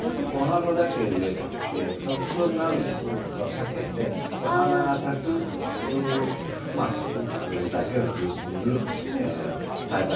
お花だけ植えて食草になる植物は避けてお花が咲く植物だけを中心に栽培された方がいいですね。